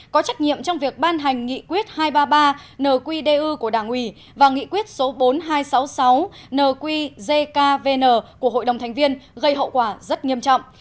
có trách nhiệm trong việc ban hành nghị quyết hai trăm ba mươi ba nqdu của đảng ủy và nghị quyết số bốn nghìn hai trăm sáu mươi sáu nqvn của hội đồng thành viên gây hậu quả rất nghiêm trọng